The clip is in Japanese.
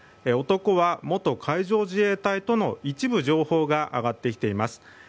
男は元海上自衛隊との一部情報が上がってきています。